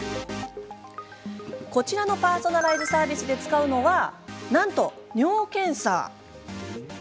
こちらのパーソナライズサービスで使うのは、なんと尿検査。